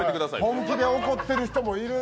本気で怒ってる人もいる。